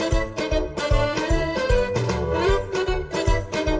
สวัสดีค่ะ